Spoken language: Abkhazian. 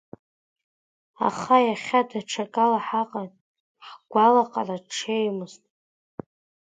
Аха иахьа даҽакала ҳаҟан, ҳгәалаҟара ҽеимызт.